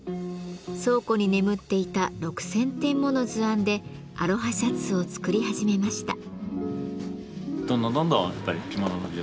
倉庫に眠っていた６，０００点もの図案でアロハシャツを作り始めました。